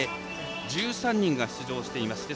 １３人が出場しています。